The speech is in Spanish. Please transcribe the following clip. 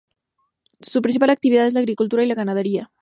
Su principal actividad es la agricultura y la ganadería.